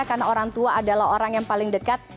karena orang tua adalah orang yang paling dekat